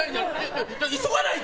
急がないと！